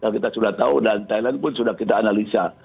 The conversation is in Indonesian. kita sudah tahu dan thailand pun sudah kita analisa